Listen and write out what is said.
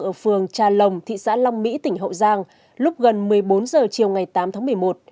ở phường trà lồng thị xã long mỹ tỉnh hậu giang lúc gần một mươi bốn h chiều ngày tám tháng một mươi một